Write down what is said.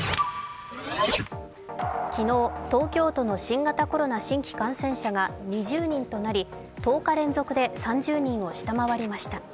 昨日、東京都の新型コロナ新規感染者が２０人となり１０日連続で３０人を下回りました。